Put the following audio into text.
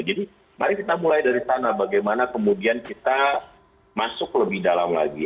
jadi mari kita mulai dari sana bagaimana kemudian kita masuk lebih dalam lagi